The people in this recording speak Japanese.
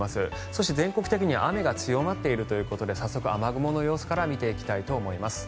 そして全国的には雨が強まっているということで早速雨雲の様子から見ていきたいと思います。